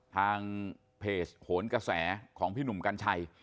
ทางเพจโหนกระแสของพี่หนุ่มกัญชัย